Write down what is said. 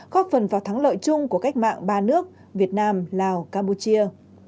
góp phần vào thắng lợi chung của cách mạng ba nước việt nam lào campuchia